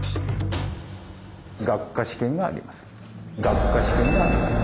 学科試験があります。